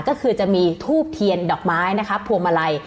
ก็คือจะมีทูบเทียนดอกไม้นะครับพวงมาลัย